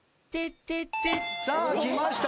さあきました。